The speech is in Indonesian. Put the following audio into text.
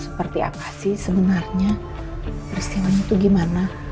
seperti apa sih sebenarnya peristiwanya itu gimana